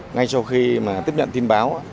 ngay sau khi tiếp nhận tin báo